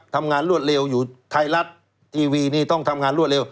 รวดเร็วอยู่ไทยรัฐทีวีนี่ต้องทำงานรวดเร็ว